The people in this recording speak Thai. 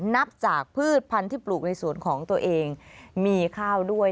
นับจากพืชพันธุ์ที่ปลูกในสวนของตัวเองมีข้าวด้วย